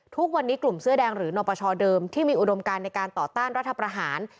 ทุกวันนี้กลุ่มเสื้อแดงหรือนปชเดิมที่มีอุดมการในการต่อต้านรัฐประหาร